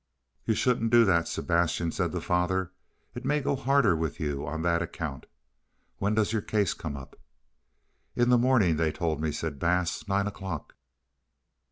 "You shouldn't do that, Sebastian," said the father. "It may go harder with you on that account. When does your case come up?" "In the morning, they told me," said Bass. "Nine o'clock."